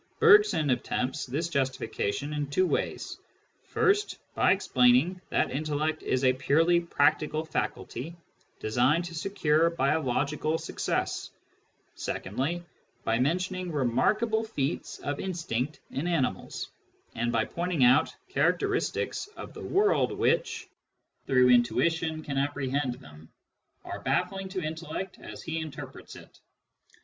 Bergson attempts this justification in two ways — first, by explaining that intellect is a purely practical faculty designed to secure biological success ; secondly, by mentioning remarkable feats of ^Introduction to Metaphysics^ p. i. Digitized by Google CURRENT TENDENCIES 23 instinct in animals, and by pointing out characteristics of the world which, though intuition can apprehend them, are baffling to intellect as he interprets it.